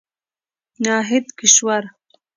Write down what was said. ناهيد کشور